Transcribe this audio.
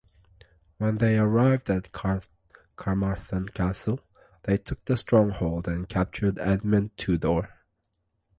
When they arrived at Carmarthen Castle, they took the stronghold and captured Edmund Tudor.